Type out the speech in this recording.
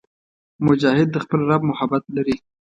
مجاهد د خپل رب محبت لري.